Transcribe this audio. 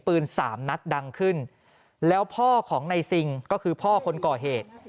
สามนัดดังขึ้นแล้วพ่อของในซิงก็คือพ่อคนก่อเหตุ